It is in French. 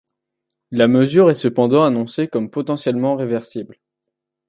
La mesure est cependant annoncée comme potentiellement réversible.